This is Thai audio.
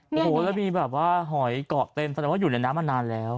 โอ้โหแล้วมีแบบว่าหอยเกาะเต็มแสดงว่าอยู่ในน้ำมานานแล้ว